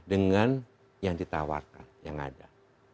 dengan yang ditawarkan yang ada